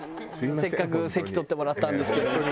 せっかく席取ってもらったんですけども。